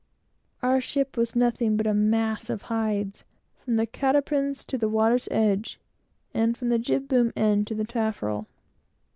Our ship was nothing but a mass of hides, from the cat harpins to the water's edge, and from the jib boom end to the taffrail.